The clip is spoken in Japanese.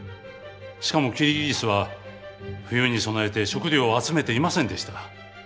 しかもキリギリスは冬に備えて食料を集めていませんでした。